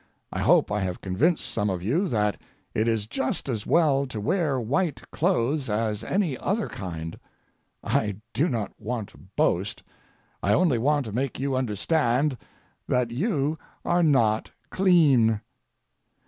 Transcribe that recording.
I hope I have convinced some of you that it is just as well to wear white clothes as any other kind. I do not want to boast. I only want to make you understand that you are not clean.